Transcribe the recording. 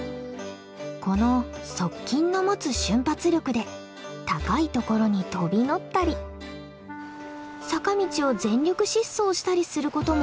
この速筋の持つ瞬発力で高い所に飛び乗ったり坂道を全力疾走したりすることも得意なわけです。